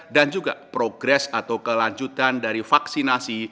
dan juga progres atau kelanjutan dari vaksinasi